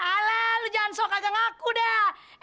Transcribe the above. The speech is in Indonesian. ala lu jangan sok agak ngaku dah